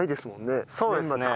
そうですね。